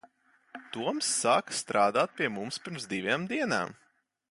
Toms sāka strādāt pie mums pirms divām dienām.